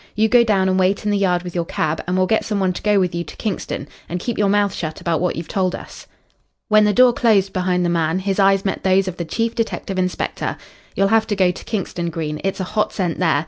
You go down and wait in the yard with your cab, and we'll get some one to go with you to Kingston. And keep your mouth shut about what you've told us." When the door closed behind the man, his eyes met those of the chief detective inspector. "You'll have to go to Kingston, Green. It's a hot scent there.